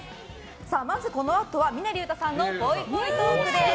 まずこのあとは、峰竜太さんのぽいぽいトークです。